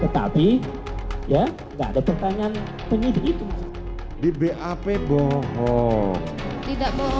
tidak bohong tapi pikirannya lagi